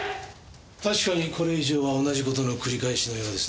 確かにこれ以上は同じ事の繰り返しのようですね。